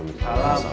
enggera jangan salahje